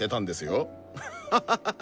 ハハハハ。